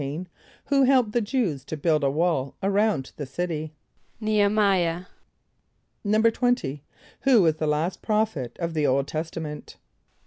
= Who helped the Jew[s+] to build a wall around the city? =N[=e] he m[=i]´ah.= =20.= Who was the last prophet of the Old Testament?